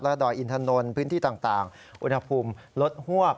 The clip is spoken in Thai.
ดอยอินถนนพื้นที่ต่างอุณหภูมิลดฮวบ